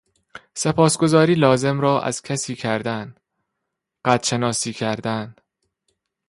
سپاسگزاری لازم را از کسی کردن، قدرشناسی کردن